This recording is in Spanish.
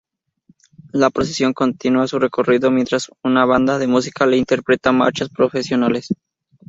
La procesión continúa su recorrido, mientras una banda de música le interpreta marchas procesionales.